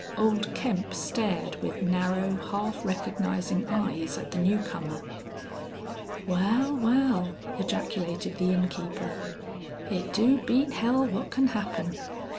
Old Kemp stared with narrow, half recognizing eyes at the new comer. "Wal! Wal!" ejaculated the innkeeper. "It do beat hell what can happen!...